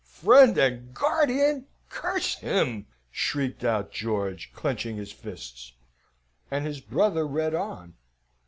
"Friend and guardian! Curse him!" shrieked out George, clenching his fists and his brother read on